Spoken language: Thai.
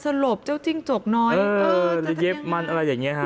เยี่ยมว่าเจ้ายิงจกน้อยเยี่ยมมันอะไรอย่างเงี้ย